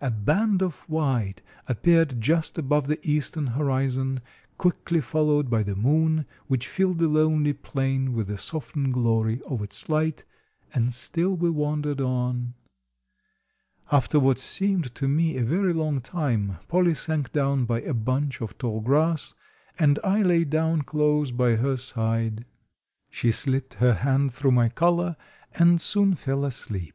A band of white appeared just above the eastern horizon, quickly followed by the moon, which filled the lonely plain with the softened glory of its light, and still we wandered on. After what seemed to me a very long time, Polly sank down by a bunch of tall grass, and I lay down close by her side. She slipped her hand through my collar and soon fell asleep.